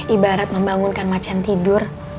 ibarat membangunkan macan tidur